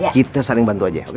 kita saling bantu aja